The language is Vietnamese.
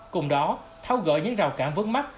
cùng đó tháo gỡ những rào cản vớt mắt